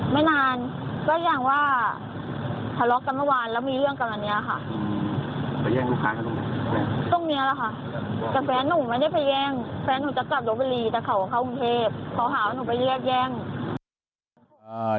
เขาโอเคเขาหาว่าต้องไปเรียกแย่ง